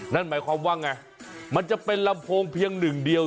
นั่นหมายความว่าไงมันจะเป็นลำโพงเพียงหนึ่งเดียว